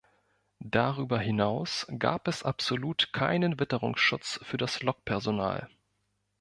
Darüber hinaus gab es absolut keinen Witterungsschutz für das Lokpersonal.